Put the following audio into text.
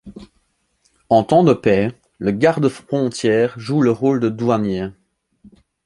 En temps de paix, le garde-frontière joue le rôle de douanier.